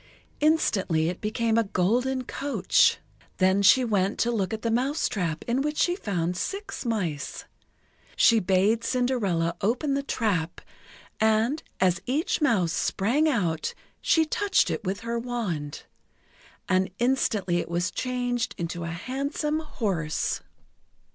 Instantly it became a golden coach. Then she went to look at the mousetrap in which she found six mice. She bade Cinderella open the trap, and, as each mouse sprang out, she touched it with her wand. And instantly it was changed into a handsome horse.